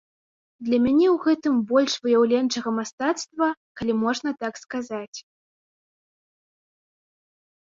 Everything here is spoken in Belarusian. Для мяне у гэтым больш выяўленчага мастацтва, калі можна так сказаць.